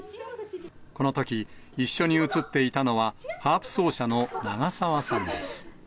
このとき、一緒に映っていたのはハープ奏者の長澤さんです。